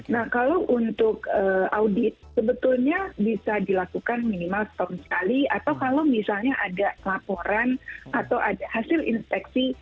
nah kalau untuk audit sebetulnya bisa dilakukan minimal setahun sekali atau kalau misalnya ada laporan atau hasil inspeksi